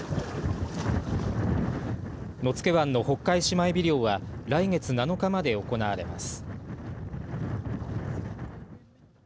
野付湾のホッカイシマエビ漁は来月７日まで行われます。